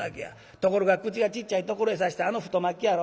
ところが口がちっちゃいところへさしてあの太巻きやろ。